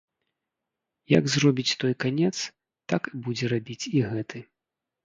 Як зробіць той канец, так будзе рабіць і гэты.